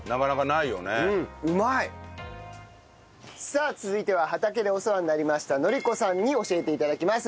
さあ続いては畑でお世話になりました乃梨子さんに教えて頂きます。